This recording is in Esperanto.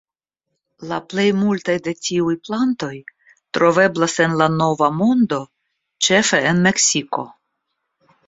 La plej multaj de tiuj plantoj troveblas en la Nova Mondo, ĉefe en Meksiko.